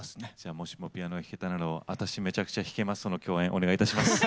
「もしもピアノが弾けたなら」を私めちゃくちゃ弾けますとの共演お願いいたします。